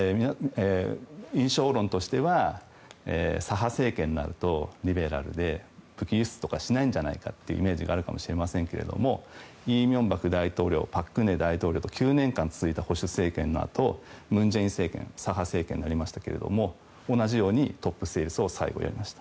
印象論としては左派政権になるとリベラルで、武器輸出とかしないんじゃないかというイメージがあるかもしれませんけども李明博大統領、朴槿惠大統領と９年間続いた保守政権のあと文在寅政権左派政権になりましたが同じようにトップセールスがされました。